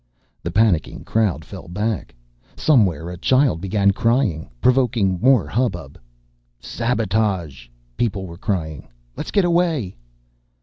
The panicking crowd fell back. Somewhere a child began crying, provoking more hubbub. "Sabotage!" people were crying. "Let's get away!"